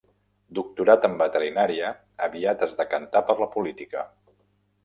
Doctorat en veterinària, aviat es decantà per la política.